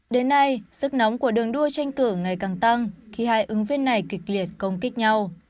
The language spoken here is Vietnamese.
đến nay sức nóng của đường đua tranh cử ngày càng tăng khi hai ứng viên này kịch liệt công kích nhau